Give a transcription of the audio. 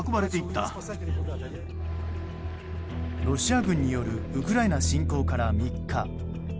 ロシア軍によるウクライナ侵攻から３日。